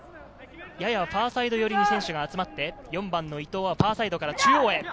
ややファーサイド寄りに選手が集まって４番の伊東はファーサイドから中央へ。